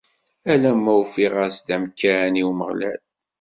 Alamma ufiɣ-as-d amkan i Umeɣlal.